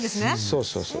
そうそうそう。